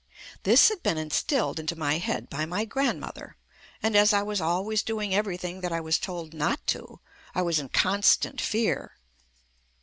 This had been instilled into my head by my grandmother, and, as I was always doing everything that I was told not to, I was in constant fear.